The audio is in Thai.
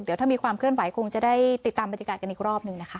เดี๋ยวถ้ามีความเคลื่อนไหวคงจะได้ติดตามบรรยากาศกันอีกรอบหนึ่งนะคะ